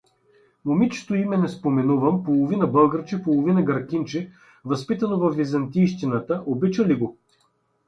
Момичето (име не споменувам), половина българче, половина гъркинче, възпитано във византийщината… Обича ли го?